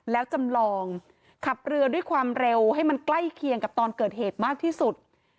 แล้วจำลองขับเรือด้วยความเร็วให้มันใกล้เคียงกับตอนเกิดเหตุมากที่สุด